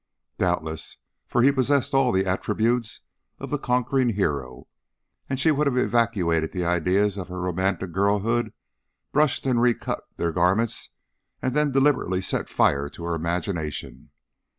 Doubtless, for he possessed all the attributes of the conquering hero, and she would have excavated the ideals of her romantic girlhood, brushed and re cut their garments, and then deliberately set fire to her imagination.